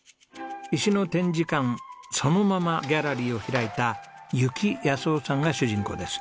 石の展示館そのままギャラリーを開いた柚木夫さんが主人公です。